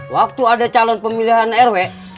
waktu ada calon pemilihan rw